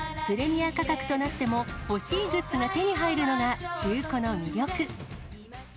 プレミア価格となっても、欲しいグッズが手に入るのが中古の魅力。